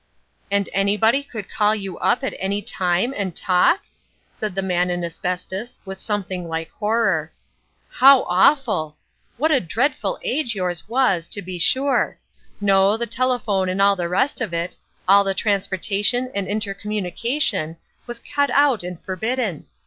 "And anybody could call you up at any time and talk?" said the Man in Asbestos, with something like horror. "How awful! What a dreadful age yours was, to be sure. No, the telephone and all the rest of it, all the transportation and intercommunication was cut out and forbidden.